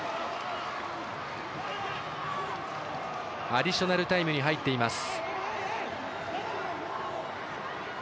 アディショナルタイムに入っています。